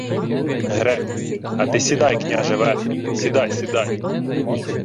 — Грек. А ти сідай, княже, верхи, сідай, сідай!